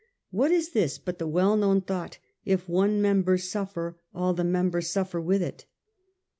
What is this but the well known thought, ' If one member suffer, all the members suffer with it